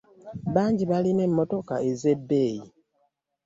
Bangi balina emmotoka ez'ebbeeyi.